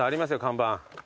看板。